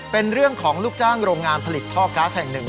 เป็นเรื่องของลูกจ้างโรงงานผลิตท่อก๊าซแห่งหนึ่ง